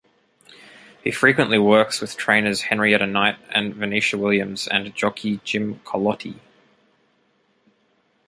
He frequently works with trainers Henrietta Knight and Venetia Williams and jockey Jim Culloty.